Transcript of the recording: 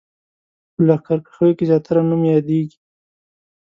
په لښکرکښیو کې زیاتره نوم یادېږي.